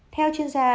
theo chuyên gia